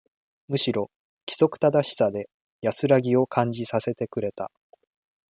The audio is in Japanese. むしろ、規則正しさで、安らぎを、感じさせてくれた。